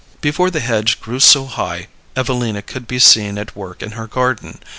Before the hedge grew so high Evelina could be seen at work in her garden.